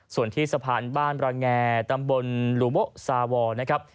ส่วนที่สะพานบ้านประแงตำบลหลูโบซาวอร์นะครับ